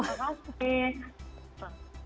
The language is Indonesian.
selamat hari anak nasional